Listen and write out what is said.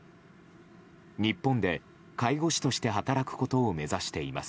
日本で介護士として働くことを目指しています。